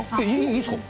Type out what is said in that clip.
いいですか？